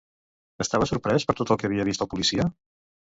Estava sorprès per tot el que havia vist el policia?